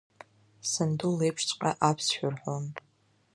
Санду леиԥшҵәҟьа аԥсшәа рҳәон.